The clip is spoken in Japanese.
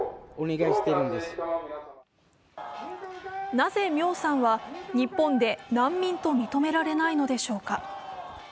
なぜミョーさんは日本で難民と認められないのでしょうか。